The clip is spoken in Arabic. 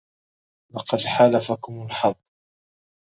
لقد حالفكم الحظ.